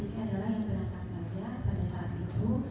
ini adalah yang berangkat saja pada saat itu